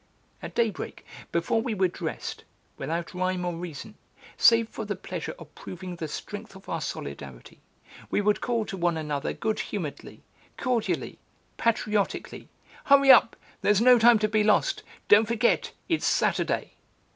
At daybreak, before we were dressed, without rhyme or reason, save for the pleasure of proving the strength of our solidarity, we would call to one another good humoredly, cordially, patriotically, "Hurry up; there's no time to be lost; don't forget, it's Saturday!"